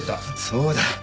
そうだ。